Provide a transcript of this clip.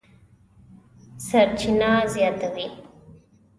سرچینه زیاتوي